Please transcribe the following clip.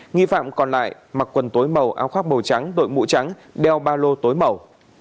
nghi phạm còn lại mặc quần tối màu áo khoác màu trắng đội mũ trắng đeo ba lô tối màu